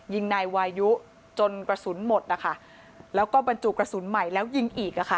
ยิงนายวายุคนนี้จนกระสุนหมดแล้วก็บรรจุกระสุนใหม่แล้วยิงอีก